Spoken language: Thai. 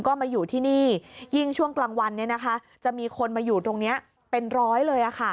ก็มาอยู่ที่นี่ยิ่งช่วงกลางวันจะมีคนมาอยู่ตรงนี้เป็นร้อยเลย